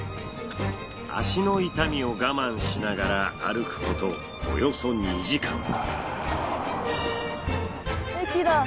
足の痛みを我慢しながら歩くことおよそ２時間。